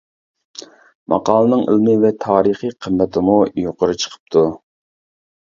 ماقالىنىڭ ئىلمىي ۋە تارىخىي قىممىتىمۇ يۇقىرى چىقىپتۇ.